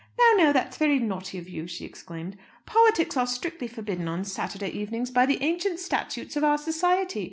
"Now, now; that's very naughty of you," she exclaimed. "Politics are strictly forbidden on Saturday evenings by the ancient statutes of our society.